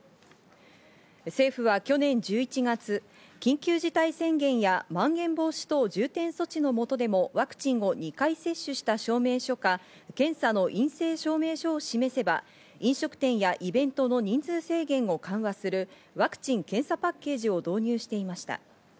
政府は去年１１月、緊急事態宣言やまん延防止等重点措置のもとでもワクチンを２回接種した証明書か、検査の陰性証明書を示せば飲食店やイベントの人数制限を緩和するワクチン・検査パッケージを導入していました。